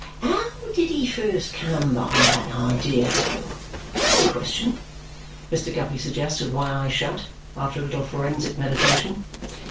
"How did he first come by that idea, though? That's the question," Mr. Guppy suggests with one eye shut, after a little forensic meditation.